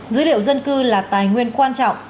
dữ liệu dân cư là tài nguyên quan trọng